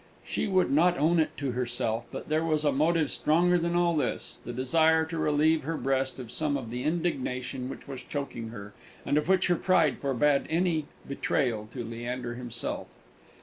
She would not own it to herself, but there was a motive stronger than all this the desire to relieve her breast of some of the indignation which was choking her, and of which her pride forbade any betrayal to Leander himself.